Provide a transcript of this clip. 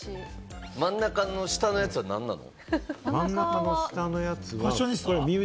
真ん中の下のやつは何なの？